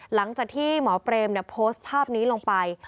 หลังจากที่หมอเปรมโพสต์ภาพนี้ลงไป